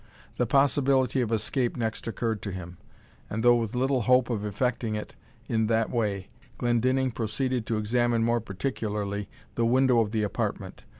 The possibility of escape next occurred to him, and though with little hope of effecting it in that way, Glendinning proceeded to examine more particularly the window of the apartment.